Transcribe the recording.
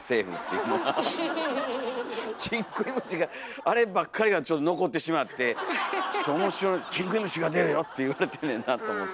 ちん食い虫があればっかりがちょっと残ってしまってちょっと面白い「ちん食い虫が出るよ」って言われてんねんなと思って。